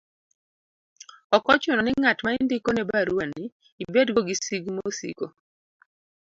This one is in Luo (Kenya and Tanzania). ok ochuno ni ng'at ma indiko ne baruani ibed go gi sigu mosiko